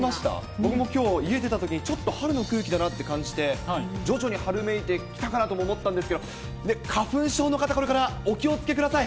僕もきょう、家を出たとき、ちょっと春の空気だなと感じて、徐々に春めいてきたかなとも思ったんですけど、花粉症の方、これからお気をつけください。